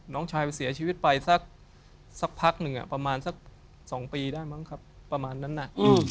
น้องชายไปเสียชีวิตไปสักพักหนึ่งประมาณสัก๒ปีได้มั้งครับประมาณนั้นน่ะ